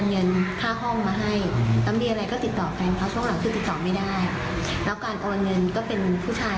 อย่างนี้ชิดซ้ายเลยอะ